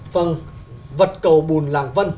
vâng vật cầu bùn làng vân